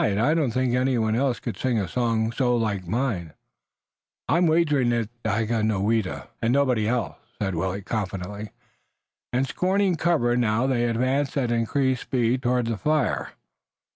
I do not think any one else could sing a song so like my own." "I'm wagering that it's Daganoweda and nobody else," said Willet confidently, and scorning cover now they advanced at increased speed toward the fire.